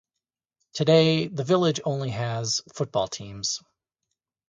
Today, the village has only football teams.